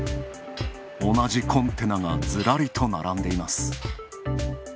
同じコンテナがずらりと並んでいます。